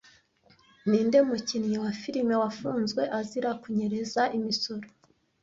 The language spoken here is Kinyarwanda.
Ninde mukinnyi wa filime wafunzwe azira kunyereza imisoro